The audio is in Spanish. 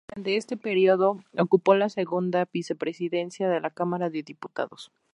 Durante este período ocupó la segunda vicepresidencia de la Cámara de Diputados.